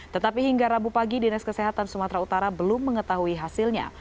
tetapi hingga rabu pagi dinas kesehatan sumatera utara belum mengetahui hasilnya